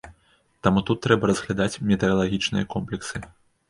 Таму тут трэба разглядаць метэаралагічныя комплексы.